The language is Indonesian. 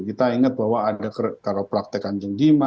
kita ingat bahwa ada karakter kancing